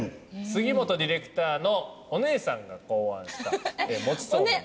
杉本ディレクターのお姉さんが考案したもちそうめんです。